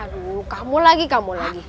aduh kamu lagi kamu lagi